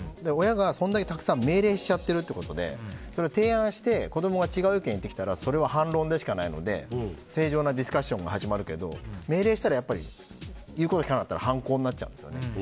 親がそんだけ、たくさん命令しちゃってるってことで提案して子供が違う意見を言ってきたらそれは反論でしかないので正常なディスカッションが始まるけど、命令したら言うこと聞かなかったら反抗になっちゃうんですよね。